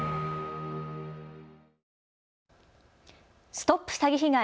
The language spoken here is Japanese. ＳＴＯＰ詐欺被害！